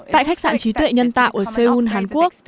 tại khách sạn trí tuệ nhân tạo ở seoul hàn quốc